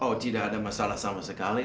oh tidak ada masalah sama sekali